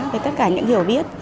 với tất cả những hiểu biết